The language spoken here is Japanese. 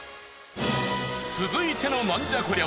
続いてのナンじゃこりゃ！？